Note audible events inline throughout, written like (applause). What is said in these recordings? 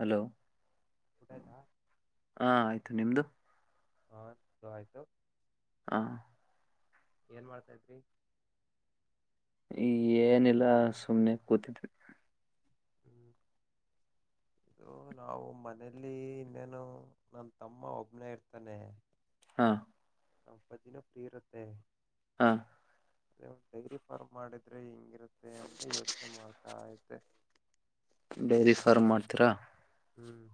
Hello ಊಟ ಆಯ್ತಾ? ಹಾ ಆಯ್ತು. ನಿಮ್ದು? ಹ ನಮ್ದು ಆಯ್ತು ಹಾ. ಏನ್ ಮಾಡ್ತಾ ಇದ್ರಿ? ಈ ಏನಿಲ್ಲ ಸುಮ್ನೆ ಕೂತಿದ್ವಿ. ಹ್ಮ್ (inaudible) ಇದು ನಾವು ಮನೇಲಿ ಇನ್ನೇನು ನನ್ ತಮ್ಮ ಒಬ್ಬನೇ ಇರ್ತಾನೆ. ಹಾ. ನಾಪ್ಪತ್ತು ದಿನ ಫ್ರೀ ಇರತ್ತೆ. ಹಾ. ಅದೇ ಒಂದ್ ಡೈರೀ ಫಾರ್ಮ್ ಮಾಡಿದ್ರೆ ಹೆಂಗಿರುತ್ತೆ ಅಂತ ಯೋಚನೆ ಮಾಡ್ತಾ ಇದ್ದೆ. ಡೈರಿ ಫಾರ್ಮ್ ಮಾಡ್ತೀರಾ. ಹ್ಮ್.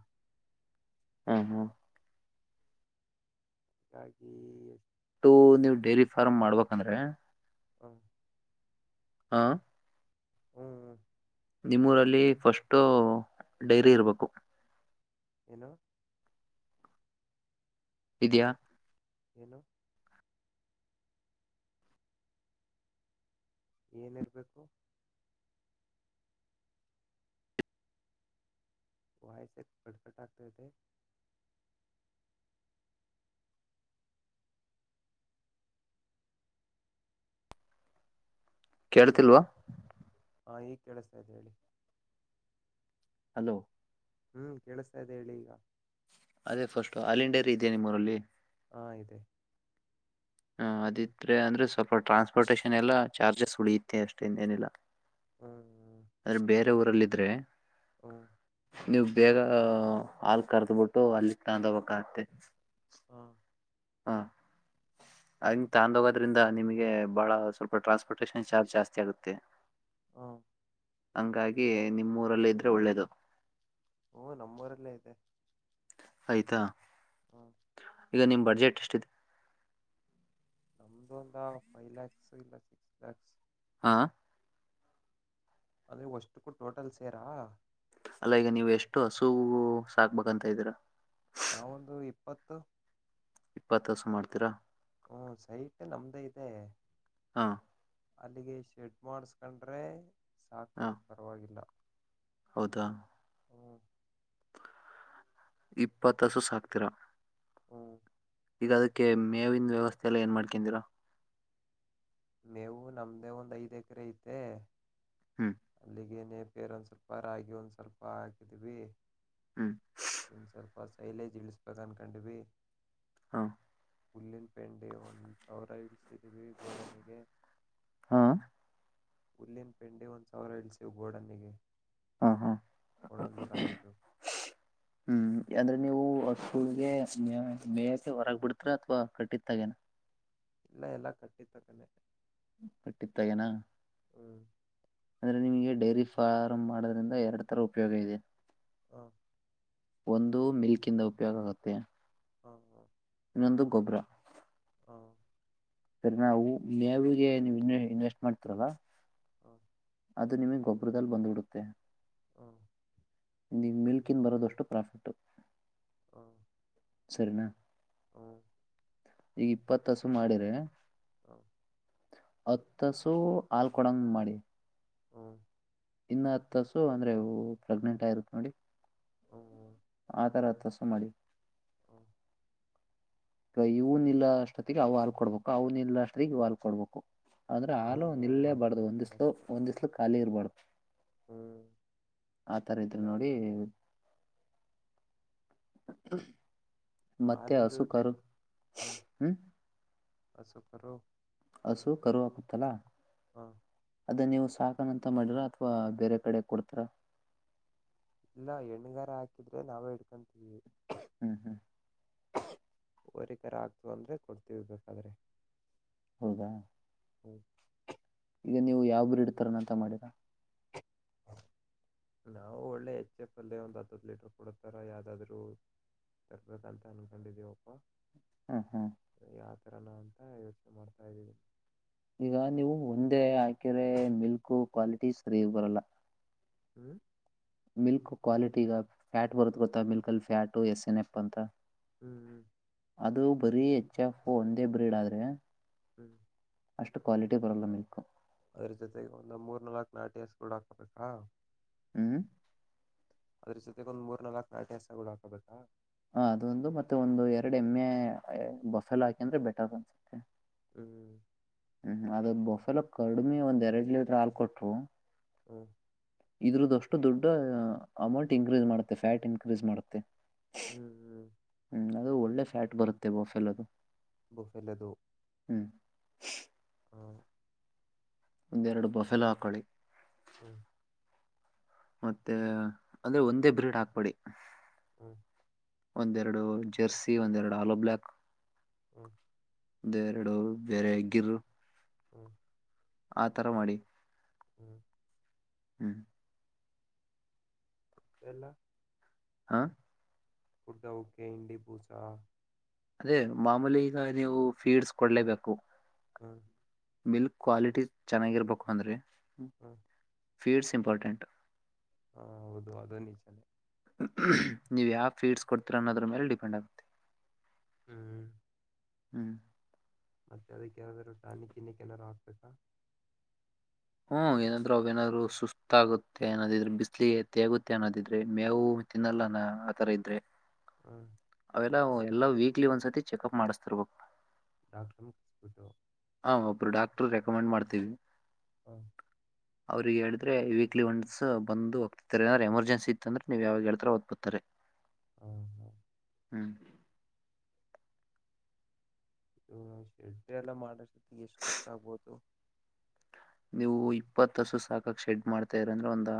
ಹ್ಮ ಹ್ಮ. ಹಾಗಾಗಿ ಟು ಎಷ್ಟು ನೀವ್ ಡೇರಿ ಫಾರ್ಮ್ ಮಾಡ್ಬೇಕಂದ್ರೆ. ಹಾ. ಹಾ. ಹ್ಮ್ ನಿಮ್ಮೂರಲ್ಲಿ ಫಸ್ಟ್ ಡೈರಿ ಇರ್ಬೇಕು ಏನು ಇದ್ಯಾಾ ಏನೊ ಏನಿರ್ಬೇಕು? ವಾಯಸ ಕಟ್ಕಟ್ ಆಾಗತದೆ ಕೇಳ್ತಿಲ್ವಾ? ಹಾ ಈಗ ಕೇಳ್ತಾ ಇದ್ದದೆ ಹೇಳಿ. ಹಲೋ ಹ್ಮ್ ಕೇಳಿಸ್ತಾ ಇದೆ ಹೇಳಿ ಈಗ ಅದೇ ಫಸ್ಟಟ್ ಹಾಲಿಂಡರಿ ಇದೆ ನಿಮ್ಮೂರಲ್ಲಿ? ಹಾ ಇದೆ ಹ್ಮ ಅದಿದ್ರೆ ಅಂದ್ರೆ ಸ್ವಲ್ಪ ಟ್ರಾನ್ಸ್ಪೋರ್ಟೇೇಶನ್ ಎಲ್ಲ ಚಾರ್ಜಸ್ ಉಳಿಯುತ್ತೆ ಅಷ್ಟೇಿಂದ ಏನಿಲ್ಲ ಹ್ಮ್ ಅಲ್ ಬೇರೆ ಊರಲ್ಲಿದ್ರೆ. ಹ ನೀವು ಬೇಗ ಹಾಲ್ ಕರ್ದಬಿಟ್ಟು ಅಲ್ಲಿ ತಾಂಡ್ಬೇಕಾಗತ್ತೆ. ಹಾ. ಹಾ ಹಂಗ್ ತಂಡ್ ಹೋಗೋದ್ರಿಂದ ನಿಮ್ಗೆ ಬಾಳ ಸ್ವಲ್ಪ ಟ್ರಾನ್ಸ್ಪೋರ್ಟಷನ್ ಚಾರ್ಜ್ ಜಾಸ್ತಿ ಆಗುತ್ತೆ. ಹಾ ಹಂಗಾಗಿ ನಿಮ್ಮ್ ಊರಲ್ಲ ಇದ್ರೆ ಒಳ್ಳೇದು. ಓ ನಮ್ಮೂರಲ್ಲೆ ಐತೆ. ಆಯ್ತಾ ಹಾ ಈಗ ನಿಮ್ ಬಜೆಟ್ ಎಷ್ಟಿದೆ. ನಮ್ದು ಒಂದ ಫೈವ್ ಲ್ಯಾಕ್ಸ್ ಇಲ್ಲ ಸಿಕ್ಸ್ ಲ್ಯಾಕ್ಸ್. ಹಾ ಅದೆ ಒಷ್ಟುಕ್ಕೂ ಟೋಟಲ್ ಸೇರಾ. ಅಲ್ಲ ಈಗ ನೀವು ಎಷ್ಟು ಹಸು ಸಾಕ್ಬೇಕಂತ ಇದೀರಾ. ನಾವೊಂದು ಇಪ್ಪತ್ತು. ಇಪ್ಪತ್ತು ಹಸು ಮಾಡ್ತೀರಾ. ಹ್ಮ ಸೈಟ್ ನಮ್ದೇ ಇದೆ. ಹಾ ಅಲ್ಲಿಗೆ ಶೆಡ್ ಮಾಡ್ಸ್ಕೊಂಡ್ರೆ ಹಾ ಸಾಕು ಪರವಾಗಿಲ್ಲ. ಹೌದಾ ಹು ಇಪ್ಪತ್ ಹಸು ಸಾಕ್ತೀರಾ. ಹ್ಮ್ ಈಗ ಅದಿಕ್ಕೆ ಮೇವಿನ್ ವ್ಯವಸ್ಥೆ ಎಲ್ಲ ಏನ್ ಮಾಡ್ಕಂದಿರಾ. ಮೇವು ನಮ್ದೇ ಒಂದ್ ಐದ್ ಎಕ್ರೆ ಐತೆ. ಹ್ಮ್ ಅಲ್ಲಿಗೇನೆೇ ಪೇರ್ ಒಂದ ಸ್ವಲ್ಪ ರಾಗಿ ಒಂದ್ ಸ್ವಲ್ಪ ಹಾಕಿದ್ವಿ. ಹ್ಮ್ ಇನ್ ಸ್ವಲ್ಪ ಸೈಲೇಜ್ ಇಳಸ್ಬೇಕ ಅನ್ಕೊಂಡ್ವಿ. ಹ್ಮ ಹುಲ್ಲಿನ್ ಪೆಂಡೆ ಒಂದ್ ಸಾವ್ರ ಇಡ್ ದಿವಿ ಗೊಡನ್ಗೆ. ಹಾ ಹುಲ್ಲಿನ್ ಪೆಂಡೆ ಒಂದು ಸಾವ್ರ ಇಳ್ಸಿವ್ ಗೋಡನಿಗೆ ಕೊಣಲ್ಲೂರ ಆಗಿದ್ದು, ಹ್ಮ (unintelligible) ಹ್ಮ್ ಅಂದ್ರೆ ನೀವು ಹಸುಗೆ ಮೇಯ್ಸಿ ಹೊರಗ್ ಬಿಡ್ತಿರಾ ಅಥವಾ ಕಟ್ಟಿತಗೇನ. ಇಲ್ಲ ಇಲ್ಲಾ ಕಟ್ಟಿತಕ್ಕಾನೆ, ಕಟ್ಟಿತಗೇನಾ. ಹ್ಮ್ ಅಂದ್ರೆ ನಿಮಗೆ ಡೈರಿ ಫಾರ್ಮ್ ಮಾಡೋದ್ರಿಂದ ಎರಡ್ ತರ ಉಪಯೋಗ ಇದೆ. ಹಾ ಒಂದು ಮಿಲ್ಕ್ ಇಂದ ಉಪಯೋಗ ಆಗುತ್ತೆ. ಹ್ಮ ಹಾ ಇನ್ನೊಂದು ಗೊಬ್ಬರ. ಹಾ ಸರಿ ನಾವು ಮೇವಿಗೆ ಇನ್ ಇನ್ವೆಸ್ಟ್ ಮಾಡ್ತರಲ್ಲ. ಹಾ ಅದು ನಿಮಗ್ ಗೊಬ್ಬರದಲ್ಲಿ ಬಂದ್ಬಿಡುತ್ತೆ ಹ್ಮ ನೀವು ಮಿಲ್ಕನ್ ಬರೋದಷ್ಟು ಪ್ರಾಫಿಟ್ ಹಾ ಸರ್ನಾ ಹ ಈಗ ಇಪ್ಪತ್ತಸು ಮಾಡಿರ ಹಾ ಹತ್ತಸು ಹಾಲ್ ಕೊಡಂಗ್ ಮಾಡಿ ಹಾ ಇನ್ನು ಹತ್ತುಸು ಅಂದ್ರೆ ಪ್ರೆಗ್ನೆಂಟ್ ಆಗಿರುತ್ ನೋಡಿ ಹ್ಮ ಆ ತರ ತ ಸು ಮಾಡಿ ಹಾ ಇವನ ಇಲ್ಲ ಅಷ್ಟೊತ್ತಿಗೆ ಅವು ಹಾಲ್ ಕೊಡ್ಬೇಕು ಅವ್ನ ಇಲ್ಲ ಅಷ್ಟೊಗೆ ಇವ ಹಾಲ್ಕೊಡ್ಬೇಕು ಅಂದ್ರೆ ಹಾಲು ನಿಲ್ಲೇಬಾರ್ದು ಅದನು ಒಂದ್ ದಿಸ್ಲು ಕರೆಕ್ಟ್ ಒಂದಸ್ಲು ಖಾಲಿ ಇರಬಾರ್ದು ಹ್ಮ್ ಆತರ ಇದ್ರು ನೋಡಿ ಇಲ್ಲಾಂದ್ರೆ ಹ ಹಾಲಂದೂಹಾ ಹ್ಮ್ ಅಸುಕೋ ಹಸು ಕರು ಹಾಕುತಲ್ಲ ಹಾ ಅದ ನೀವು ಸಾಕಣ ಅಂತ ಮಾಡಿರ ಅಥವಾ ಬೇರೆ ಕಡೆ ಕೊಡ್ತರಾ ಇಲ್ಲ ಹೆಣುಗಾರ ಹಾಕಿದ್ರೆ ನಾವೇ ಇಡ್ಕೊಂತೀವಿ ಹ್ಮ್ ಹ್ಮ್ ಹೋರಿಕರ ಆಗ್ತವ ಅಂದ್ರೆ ಕೊಡ್ತಿವಿ ಬೇಕಾದ್ರೆ ಹೌದಾ ಹ್ಮ್ ಈಗ ನೀವು ಯಾವ ಬ್ರ ಇಡ್ತಾರನಂತ ಮಾಡಿದರಾ ನಾವು ಒಳ್ಳೆ ಹೆಚ್ಚೆ ಪಲ್ಯ ಒಂದ್ ಹದ್ ಹದ್ ಲೀಟರ್ ಕೊಡತಾರ ಯಾವ್ದಾದ್ರು ತರ್ಬದ ಅಂತ ಅನ್ಕೊಂಡಿದೀವಪ್ಪ ಹಾ ಹಾ ಯಾವ ತರನ ಅಂತ ಯೋಚನೆ ಮಾಡ್ತಾ ಇದ್ದೀನ ಈಗ ನೀವು ಒಂದೇ ಹಾಕಿರೆ ಮಿಲ್ಕ್ ಕ್ವಾಲಿಟಿ ಸರಿ ಇರ್ ಬರಲ್ಲ ಹ್ಮ ಮಿಲ್ಕ್ ಕ್ವಾಲಿಟಿ ಈಗ ಫ್ಯಾಟ್ ಬರುತ್ತೆ ಗೊತ್ತಾ ಮಿಲ್ಕ್ ಅಲ್ಲಿ ಫ್ಯಾಟು ಎಸ್ ಎನ್ ಎಪ್ ಅಂತ ಹ್ಮ್ ಹ್ಮ್ ಅದು ಬರೀ ಎಚ್ ಎಫ್ ಒಂದೇ ಬ್ರೀಡ್ ಆದ್ರೆ ಹ್ಮ್ ಅಷ್ಟು ಕ್ವಾಲಿಟಿ ಬರಲ್ಲ ಅಂದರ್ ಜೊತೆ ನಮ್ಮೂರಲ್ಲಿ ನಾಕು ನಾಟಿಸಿಕೊಳ್ಳಬೇಕಾ ಹ್ಮ್ ಅದ್ರ ಜೊತೆಗೆ ಒ್ಮ ಮೂರ್ ನಲ್ಕುಾ ನಾಟಿ ಹಸುಗಳು ಹಾಕ್ಬೇಕಾ ಹ ಅದೊಂದು ಮತ್ತೆ ಒಂದು ಎರಡು ಎಮ್ಮೆ ಬಫೆಲ್ ಹಾಕಿ ಅಂದ್ರೆ ಬೆಟರ್ ಅನ್ಸುತ್ತೆ ಹ್ಮ್ ಹ್ಮ್ ಅದ್ ಬೊಫೆಲೊ ಕಡಿಮೆ ಒಂದ್ ಎರಡ್ ಲೀಟರ್ ಹಾಲ್ ಕೊಟ್ರು. ಹ್ಮ್ ಇದ್ರದ್ದ್ ಅಷ್ಟು ದೊಡ್ಡ ಅಮೌಂಟ್ ಇನ್ಕ್ರೀಸ್ ಮಾಡುತ್ತೆ ಫ್ಯಾಟ್ ಇನ್ಕ್ರೀಸ್ ಮಾಡುತ್ತೆ. ಹ್ಮ್ ಹ್ಮ್ ಹ್ಮ್ ಅದು ಒಳ್ಳೆ ಫ್ಯಾಟ್ ಬರುತ್ತೆ ಬೋಫೆಲೊದು. ಬೊಫೆಲೊದು. ಹ್ಮ್ ಹ ಒಂದೆರಡು ಬೊಫೆಲೊ ಹಾಕೊಳ್ಳಿ. ಹ್ಮ ಮತ್ತೆ ಅಂದ್ರೆ ಒಂದೇ ಬ್ರೀಡ್ ಹಾಕ್ಬೇಡಿ. ಹಾ ಒಂದೆರಡು ಜರ್ಸಿ ಒಂದೆರಡು ಹಾಲೋ ಬ್ಲಾಕ್. ಹ್ಮ ಒಂದೆರಡು ಬೇರೆಂಗಿರು. ಹಾ ಆ ತರ ಮಾಡಿ. ಹ್ಮ್ ಹ್ಮ್ ಡೆಲ್ಲ ಹಾ ಫುಡ್ ಅವ್ಕೆ ಇಂಡಿ ಬೂಸಾ. ಅದೇ ಮಾಮೂಲಿ ಈಗ ನೀವು ಫೀಡ್ಸ್ ಕೊಡ್ಲೇಬೇಕು. ಹ್ಮ ಮಿಲ್ಕ್ ಕ್ವಾಲಿಟಿ ಚೆನ್ನಾಗಿರ್ಬೇಕು ಅಂದ್ರೆ. ಹಾ ಫೀಡ್ಸ್ ಇಂಪಾರ್ಟೆಂಟ್. ಹಾ ಹೌದು ಅದು ನಿಜಾನೆ. ನೀವು ಯಾವ ಫೀಡ್ಸ್ ಕೊಡ್ತಿರಾ ಅನ್ನೋದ್ರ್ ಮೇಲೆ ಡಿಪೆಂಡ್ ಆಗುತ್ತೆ. ಹ್ಮ ಹ್ಮ್ ಮತ್ತೆ ಅದಕ್ಕೆ ಯನಾದ್ರು ಟಾನಿಕ್ ಗೀನಿಕ್ ಏನಾರು ಹಾಕ್ಬೇಕಾ? ಹ್ಮ್ ಏನಾದ್ರು ಅವೇನಾದ್ರು ಸುಸ್ತ್ ಆಗುತ್ತೆ ಅನ್ನೋದಿದ್ರೆ ಬಿಸ್ಲಿಗೆ ತೇಗುತ್ತೆ ಅನ್ನೋದಿದ್ರೆ ಮೇವು ತಿನ್ನಲ್ಲಾನ ಆತರ ಇದ್ರೆ. ಹ್ಮ ಅವೆಲ್ಲ ಎಲ್ಲಾ ವೀಕ್ಲಿ ಒಂದ್ಸತಿ ಚೆಕ್ ಅಪ್ ಮಾಡಿಸ್ತಿರ್ಬೇಕು. (unintelligible) ಹಾ ಒಬ್ರು ಡಾಕ್ಟರ್ ರೆಕಮೆಂಡ್ ಮಾಡ್ತೀವಿ. ಹಾ (unintelligible) ಅವ್ರಿಗೆ ಹೇಳಿದ್ರೆ ವೀಕ್ಲಿ ಒನ್ಸು ಬಂದು ಹೋಗ್ತಾರೆ ಏನಾದ್ರು ಎಮರ್ಜೆನ್ಸಿ ಇತ್ತು ಅಂದ್ರೆ ನೀವ್ ಯಾವಾಗ ಹೇಳ್ತಾರೆ ಅವಾಗ್ ಬರ್ತಾರೆ. (unintelligible) (inaudible) ಹಾ ಹಾ ಹ್ಮ್ ಇ ಸ್ಟೆಡ್ ಎಲ್ಲ ಮಾಡೊಸ್ತಿಗ್ ಎಷ್ಟು ಖರ್ಚಾಗ್ಬಹುದು? ನೀವು ಇಪ್ಪತ್ ಹಸು ಸಾಕಕ್ ಶೆಡ್ ಮಾಡ್ತಾ ಅಂದ್ರೆ ಒಂದ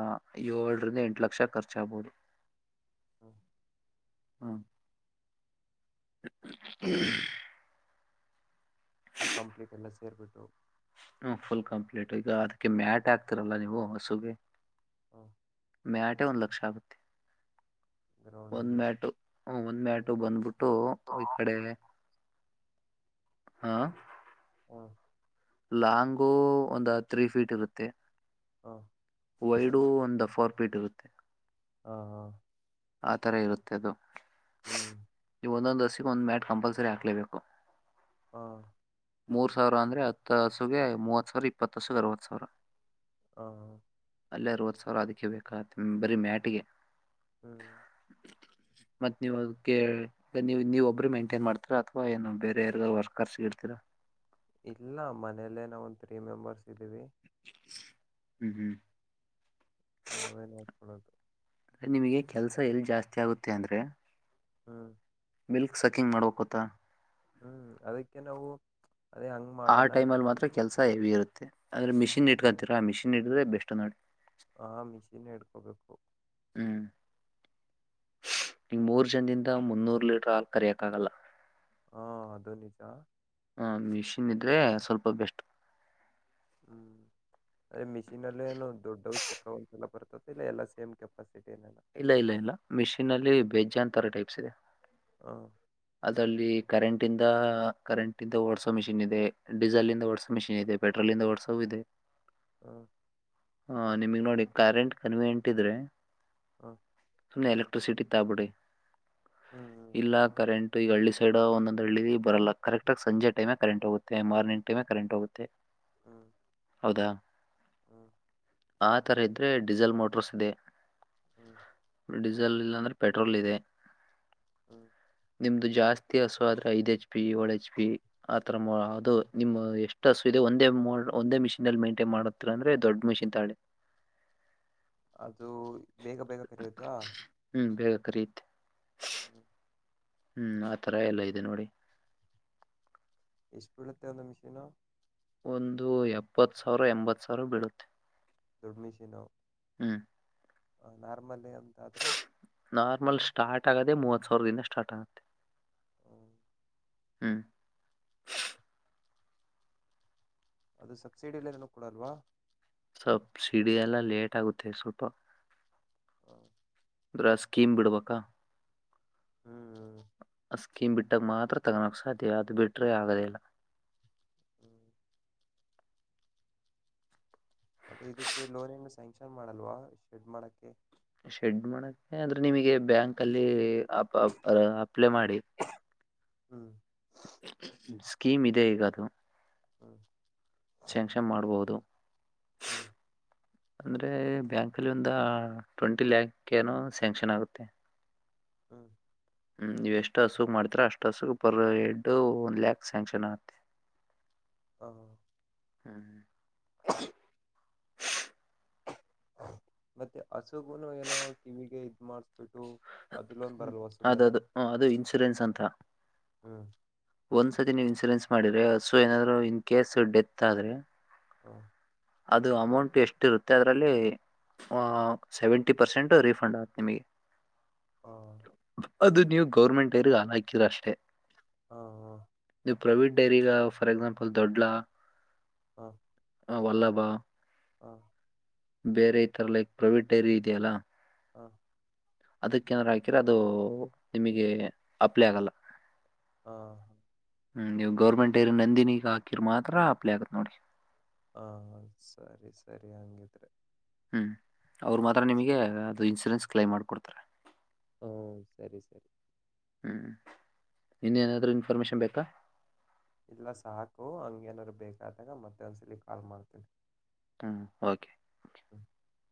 ಏಳರಿಂದ ಎಂಟು ಲಕ್ಷ ಖರ್ಚಾಗಬಹುದು. (inaudible) ಹಾ ಹಾ ಹ್ಮ್ (unintelligible) ಪುಲ್ ಕಂಪ್ಲೀಟ್ ಎಲ್ಲ ಸೇರಿಬಿಟ್ಟು. ಹ ಫುಲ್ ಕಂಪ್ಲೀಟ್ ಈಗ ಅದಕ್ಕೆ ಮ್ಯಾಟ್ ಆಗ್ತಿರಲ್ಲ ನೀವು ಹಸುಗೆ. ಹಾ ಮ್ಯಾಟೆ ಒಂದ್ ಲಕ್ಷ ಆಗುತ್ತೆ ಗ್ರೌಂಡ್ ಒಂದ್ ಅಲ್ಲಿ ಮ್ಯಾಟು. ಹ ಒಂದ್ ಮ್ಯಾಟು ಬಂದ್ಬಿಟ್ಟು ಈ ಕಡೆ ಹಾ ಹಾ ಲಾಂಗು ಒಂದು ತ್ರೀ ಫೀಟ್ ಇರುತ್ತೆ. ಹಾ ವೈಡು ಒಂದು ಫೋರ್ ಪೀಟ್ ಇರುತ್ತೆ. ಹಾ ಹಾ ಅತರ ಇರುತ್ತೆ ಅದು. ಹ್ಮ್ ಈವು ಒಂದೊಂದು ಹಸಿಗೆ ಒಂದ ಮ್ಯಾಟ್ ಕಂಪಲ್ಸರಿ ಹಕ್ಲೇಬೇಕು. ಹಾ ಮೂರ್ ಸಾವ್ರ ಅಂದ್ರೆ ಹತ್ತು ಹಸುಗೆ ಮೂವತ್ ಸಾವ್ರ ಇಪ್ಪತ್ತು ಹಸುಗೆ ಅರವತ್ತು ಸಾವ್ರ. ಹಾ ಅಲ್ಲೆ ಅರುವತ್ತು ಸಾವಿರ ಅದಕ್ಕೆ ಬೇಕಾ ಬರೀ ಮ್ಯಾಟ್ಗೆ ಹ್ಮ್ ಮತ್ ಇವಗೆ ಈಗ ನೀವು ನೀವ್ ಒಬ್ರು ಮೇಟೈನ್ ಮಾಡ್ತೀರಾ ಅಥವಾ ಏನು ಬೇರೆ ಯಾರ್ಗರ ವರ್ಕಸ್ ಇಡ್ತಿರಾ. ಇಲ್ಲ ಮನೇಲ್ಲೇ ನಾವು ಒಂದ್ ತ್ರೀ ಮೆಂಬರ್ಸ್ ಇದ್ದೀವಿ. ಹ್ಮ್ ಹ್ಮ್ ನಾವೇ ನೋಡ್ಕೊಳ್ಳೋದು. ಅ ನಿಮ್ಗೆ ಕೆಲಸ ಎಲ್ ಜಾಸ್ತಿ ಆಗುತ್ತೆ ಅಂದ್ರೆ. ಹಾ ಮಿಲ್ಕ್ ಸಕಿಂಗ್ ಮಾಡ್ಬೇಕತ್ತಾ. ಹ್ಮ್ ಅದಕ್ಕೆ ನಾವು ಅದೇ ಹಂಗ್ ಮಾಡಣ. ಅದ್ರೆ ಮಿಷನ್ ಇಟ್ಕ ತಿರಾ ಮಿಷನ್ ಇದ್ರೆ ಬೆಸ್ಟ್ ನೋಡಿ. ಆ ಮಿಷಿನ್ ನೆ ಹಿಡ್ಕೋಬೇಕು. ಹ್ಮ್ ಈಗ ಮೂರು ಜನದಿಂದ ಮುನ್ನೂರು ಲೀಟರ್ ಹಾಲ್ ಕರಿಯಕ್ ಆಗಲ್ಲ. ಹಾಅದು. ಹ ಮಿಷಿನ್ ಇದ್ರೆ ಸ್ವಲ್ಪ ಬೆಸ್ಟ್. ಹ್ಮ್ ಅದೇ ಮಿಷೀನಲೆ ಏನು ದೊಡ್ಡವು ಚಿಕ್ಕವು ಸಲ ಬರ್ತತಿ ಇಲ್ಲ ಎಲ್ಲಾ ಸೇಮ್ ಕೆಪಾಸಿಟಿ ಏನ. ಇಲ್ಲ ಇಲ್ಲ ಇಲ್ಲ ಮಿಷಿನ್ ಅಲ್ಲಿ ಬೇಜಾನ್ ತರ ಟೈಪ್ಸ್ ಇದೆ. ಹಾ ಅದ್ರಲ್ಲಿ ಕರೆಂಟ್ ಇಂದ ಕರೆಂಟ್ ಇಂದ ಓಡಸೋ ಮಿಷಿನ್ ಇದೆ ಡೀಸೆಲ್ ಇಂದ ಓಡಸೋ ಮಿಷಿನ್ ಇದೆ ಪೆಟ್ರೋಲ್ಂದ ಓಡ್ಸವೂ ಇದೆ. ಹಾ (inaudible) ಹಾ ನಿಮಗ್ ನೋಡಿ ಕರೆಂಟ್ ಕನ್ವಿನಿಯೆಂಟ್ ಇದ್ರೆ. ಹ (inaudible) ಸುಮ್ನೆ ಎಲೆಕ್ಟ್ರಿಸಿಟಿ ತೋಮ್ಬಿಡಿ ಹ್ಮ್ ಹ್ಮ್ ಇಲ್ಲಾ (inaudible) ಕರೆಂಟ್ ಈಗ ಹಳ್ಳಿ ಸೈಡ್ ಒಂದೊಂದು ಹಳ್ಳಿ ಬರಲ್ಲ ಕರೆಕ್ಟಾಗಿ ಸಂಜೆ ಟೈಮೆ ಕರೆಂಟ್ ಹೋಗುತ್ತೆ ಮಾರ್ನಿಂಗ್ ಟೈಮೆ ಅಲ್ಲಿ ಕರೆಂಟ್ ಹೋಗುತ್ತೆ. ಹು ಹೌದಾ? ಹು ಆತರ ಇದ್ರೆ ಡೀಸೆಲ್ ಮೋಟ್ರರ್ಸ್ ಇದೆ. ಹು ಡೀಸೆಲ್ ಇಲ್ಲ ಅಂದ್ರೆ ಪೆಟ್ರೋಲ್ ಇದೆ. ಹು ನಿಮ್ದು ಜಾಸ್ತಿ ಹಸುವಾದರೇ ಐದ ಹೆಚ್ ಪಿ ಏಳು ಹೆಚ್ ಪಿ ಆತರ ಅದು ನಿಮ್ಮ ಎಷ್ಟು ಹಸು ಇದೆ ಒಂದೇ ಮೋಡ ಒಂದೇ ಮಿಷಿನ್ ಅಲ್ಲಿ ಮೈಂಟೈನ್ ಮಾಡುತ್ ಇಲ್ಲ ಅಂದ್ರೆ ದೊಡ್ಡ ಮಿಷಿನ್ ತೋಯೋಳಿ. ಅದು ಬೇಗ ಬೇಗ ಕರೆಯತತ್ತಾ, (inaudible) ಹು ಬೇಗ ಕರಿಯುತ್ತೆ. (inaudible) ಹು ಆತರ ಎಲ್ಲಾ ಇದೆ ನೋಡಿ. ಇಷ್ಟ ಬೀಳುತ್ತೆ ಒಂದು ಮಿಷೀನು? ಒಂದು ಎಪ್ಪತ್ತ ಸಾವಿರ ಎಂಬತ್ತ ಸಾವಿರ ಬೀಳುತ್ತೆ. ದೊಡ್ಡ ಮೀಸಿ ನಾವ? (inaudible) ನಾರ್ಮಲ್ ಏ ಅಂತಾದರೆ? ನಾರ್ಮಲ್ ಸ್ಟಾರ್ಟ್ ಆಗೋದೆ ಮೂವತ್ತ ಸಾವಿರದಿಂದ ಸ್ಟಾರ್ಟ ಆಗುತ್ತೆ. ಹು (unintelligible) ಹ (unintelligible) ಅದು ಸಬ್ಸಿಡಿ ಅಲ್ಲಿ ಏನು ಕೊೂಡಲ್ವಾ? (inaudible) ಸಬಸಿಡಿ ಎಲ್ಲಾ ಲೇಟ್ ಆಗುತ್ತೆ ಸ್ವಲ್ಪ. ಹೌದ (unintelligible) ಅಂದರ ಸ್ಕೀಮ್ ಬಿಡ್ಬೇಕಾ? ಹ (unintelligible) ಆ ಸ್ಕೀಮ್ ಬಿಟ್ಟಾಗ ಮಾತ್ರ ತಗೊನಕೆ ಸಾಧ್ಯ ಅದು ಬಿಟರೆೆ ಆಗದೇ ಇಲ್ಲ. (inaudible) (inaudible) ಇದಕ್ಕೆ ಲೋಡಿಂಗ ಸ್ಯಾಂಕ್ಷನ್ ಮಾಡಲ್ವಾ ಶೆಡ್ ಮಾಡಕ್ಕೆ. (inaudible) ಶೆಡ್ ಮಾಡಕ್ಕೆ ಆದರೆ ನಿಮಗೆ ಬ್ಯಾಂಕಲ್ಲಿ ಅ ಅಪರ್ ಅಪ್ಲೈ ಮಾಡಿ. ಹು ಸ್ಕೀಮ್ ಇದೆ ಈಗ ಅದು? ಹೌದು. ಸ್ಯಾಂಕ್ಷನ್ ಮಾಡಬಹುದು. ಹು ಅಂದ್ರೆ ಬ್ಯಾಂಕ್ ಅಲ್ಲಿ ಒಂದ ಆ ಟ್ವೆಂಟಿ ಲ್ಯಾಕ್ ಏನು ಸ್ಯಾಂಕ್ಷನ್ ಆಗುತ್ತೆ. ಹೂ ಹು ನೀವು ಎಷ್ಟು ಹಸು ಮಾಡ್ತೀರಾ ಅಷ್ಟ ಹಸು ಪರ್ ಎಟ್ಟು ಒಂದ್ ಲ್ಯಾಕ್ ಸ್ಯಾಂಕ್ಷನ್ ಆಗತ್ತೆ. (inaudible) ಹಾ (inaudible) ಹಾ (inaudible) ಹ (inaudible) ಮತ್ತೆ ಹಸಗುನು ಏನೋ ಕಿವಿಗೆ ಇದ್ ಮಾಡಸ್ಬಿಟ್ಟು ಅದದು -ಅದು ಇನ್ಸೂರೆನ್ಸ್ ಅಂತ. ಹಾ (inaudible) ಒಂದ್ಸತಿ ನೀವ್ ಇನ್ಸೂರೆನ್ಸ್ ಮಾಡಿದ್ರೆ ಹಸು ಏನಾದ್ರು ಇನ್ ಕೇಸ್ ಡೆತ್ ಆದ್ರೆ ಹಾ, ಅದು ಅಮೌಂಟ್ ಎಷ್ಟ ಇರುತ್ತೆ ಅದರಲ್ಲಿ ಸೆವೆಂಟಿ ಪರ್ಸೆಂಟ್ ರೀಫಂಡ್ ಆಯತು ನಿಮಗೆ. ಹ್ಮ (unintelligible) ಅದು ನೀವು ಗೌರ್ಮೆಂಟ್ ಏನ್ ಅನ್ನಕ್ಕಿಲ್ಲಅಷ್ಟೇ, ಹಾ, ಹಾ ನೀವು ಪ್ರೈವೇಟ್ ಡೈರಿಗ ಫಾರ್ (unintelligible) ಎಕ್ಸಾಂಪಲ್ ದೊಡ್ಡಾ ಹಾ (inaudible) ಹ, ವಲ್ಲಭಾ ಹಾ, ಬೇರೆ ಈ ತರ ಲೈಕ್ ಪ್ರೈವೇಟ್ ಡೈರಿ ಇದೆಯಲ್ಲಾ, ಹಾಂ (inaudible) ಅದಕ್ಕ ಏನಾರ ಹಾಕಿರ ಅದು ನಿಮಗೆ ಅಪ್ಲೈ ಆಗಲ್ಲ. ಹಾ, ಹ್ಮ, ನೀವು ಗೌರ್ಮೆಂಟ ಏರಿ ನಂದಿನಿಗ ಹಾಕಿದರ್ ಮಾತ್ರ ಹಪ್ಲೇ ಆಗತ್ತ ನೋಡಿ. ಹ, ಸರಿ -ಸರಿ ಹಂಗಿದ್ರೆ. ಹ್ಮ್, ಅವ್ರು ಮಾತ್ರ ನಿಮಗೆ ಅದು ಇನ್ಶೂರೆನ್ಸ್ ಕ್ಲೈಮ್ ಮಾಡ್ಕೊಡ್ತಾರೆ. ಹ್ಮ್, ಸರಿ ಸರಿ ಹ್ಮ್, ಇನ್ನಾಏನಾದ್ರೂ ಇನ್ಫಾರ್ಮೇಶನ್ ಬೇಕಾ ಇಲ್ಲ ಸಾಕು ಹಂಗೇಏನಾದ್ರು ಬೇಕಾದಾಗ ಮತ್ತೆ ಒಂದ್ಸಲ ಕಾಲ್ ಮಾಡ್ತೀನಿ. ಹಾ ಓಕೆ, ಹಾ (inaudible)